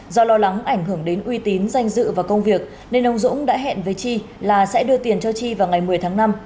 do lo lắng ảnh hưởng đến uy tín danh dự và công việc nên ông dũng đã hẹn với chi là sẽ đưa tiền cho chi vào ngày một mươi tháng năm